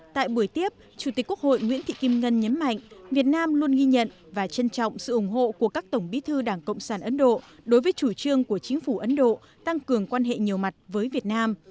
tại buổi tiếp chủ tịch quốc hội nguyễn thị kim ngân nhấn mạnh việt nam luôn ghi nhận và trân trọng sự ủng hộ của các tổng bí thư đảng cộng sản ấn độ đối với chủ trương của chính phủ ấn độ tăng cường quan hệ nhiều mặt với việt nam